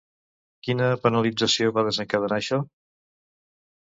Quina penalització va desencadenar això?